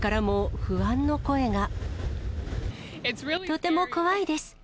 とても怖いです。